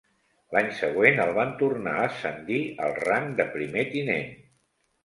L'any següent, el van tornar a ascendir al rang de primer tinent.